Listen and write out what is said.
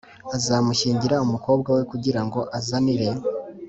Azamushyingira umukobwa we kugira ngo azanire